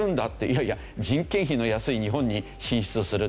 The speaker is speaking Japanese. いやいや人件費の安い日本に進出する。